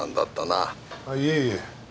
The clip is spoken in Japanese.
あぁいえいえ。